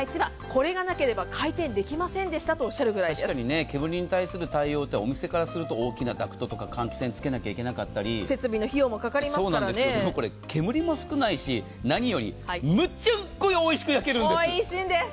これがなければ開店できませんでしたと煙に対する対応はお店からすると大きなダクトとか換気扇を使わなきゃいけなかったし煙も少ないし、何よりめっちゃおいしく焼けるんです。